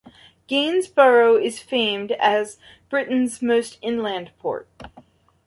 Gainsborough is famed as Britain's most inland port.